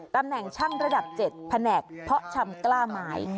ตำแหน่งช่างระดับ๗แผนกเพาะชำกล้าไม้